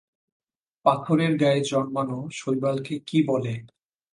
পাথরের গায়ে জন্মানো শৈবালকে কী বলে?